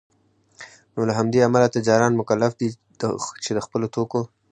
نوله همدې امله تجاران مکلف دی چي دخپلو توکو